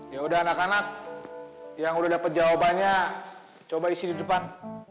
ya udah anak anak yang udah dapat jawabannya coba isi di depan